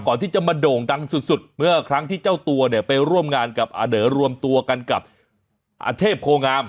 ก่อนที่จะมาโด่งดังสุดเมื่อครั้งที่เจ้าตัวเนี่ยไปร่วมงานกับอาเด๋อรวมตัวกันกับอาเทพโคงาม